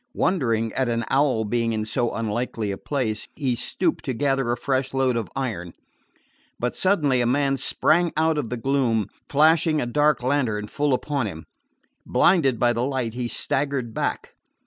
Wondering at an owl being in so unlikely a place, he stooped to gather a fresh load of iron. But suddenly a man sprang out of the gloom, flashing a dark lantern full upon him. Blinded by the light, he staggered back.